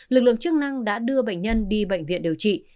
lực lượng chức năng đã đưa bệnh nhân đi bệnh viện điều trị